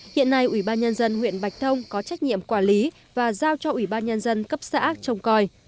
hiện nay ủy ban nhân dân huyện bạch thông có trách nhiệm quản lý và giao cho ủy ban nhân dân cấp xã trông coi